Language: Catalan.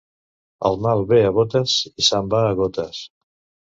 El mal ve a botes i se'n va a gotes.